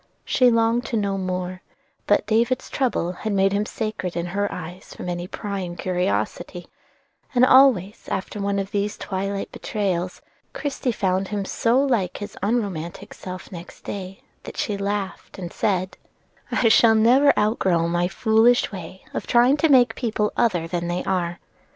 She longed to know more; but "David's trouble" made him sacred in her eyes from any prying curiosity, and always after one of these twilight betrayals Christie found him so like his unromantic self next day, that she laughed and said: "I never shall outgrow my foolish way of trying to make people other than they are.